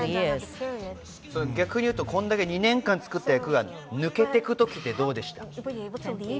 逆にいうと、これだけ２年間作った役が抜けていくときってどうでしたか？